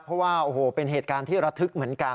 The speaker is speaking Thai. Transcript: เพราะว่าโอ้โหเป็นเหตุการณ์ที่ระทึกเหมือนกัน